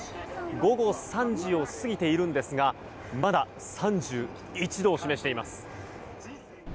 午後３時を過ぎているんですがまだ３１度を示しています。